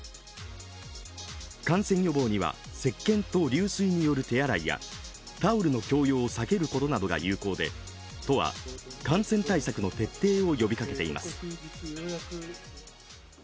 感染予防にはせっけんと流水による手洗いやタオルの共用を避けることなどが有効で都は、感染対策の徹底を呼びかけています。